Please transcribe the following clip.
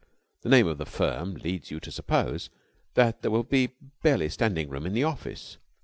The name of the firm leads you to suppose that there will be barely standing room in the office.